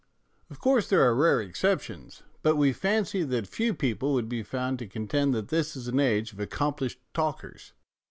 Of course there are rare exceptions, but we fancy that few people would be found to contend that this is an age of accomplished talkers.